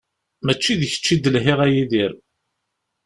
Mačči d kečč i d-lhiɣ a Yidir.